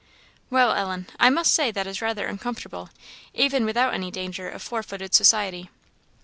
"Well, Ellen, I must say that is rather uncomfortable, even without any danger of four footed society."